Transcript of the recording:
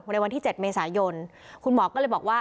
ในวันที่๗เมษายนคุณหมอก็เลยบอกว่า